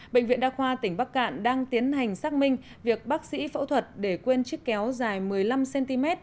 bệnh viện đa khoa tỉnh bắc cạn đang tiến hành xác minh việc bác sĩ phẫu thuật để quên chiếc kéo dài một mươi năm cm